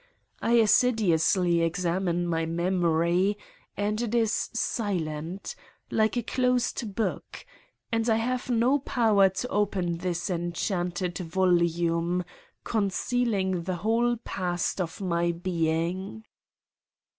I assiduously examine my memory and it is silent, like a closed book, and I have no power to open this enchanted volume, con cealing the whole past of my being.